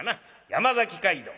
山崎街道